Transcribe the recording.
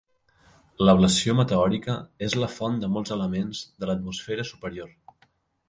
L'ablació meteòrica és la font de molts elements de l'atmosfera superior.